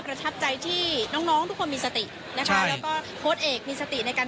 ประทับใจที่น้องน้องทุกคนมีสตินะคะแล้วก็โค้ดเอกมีสติในการ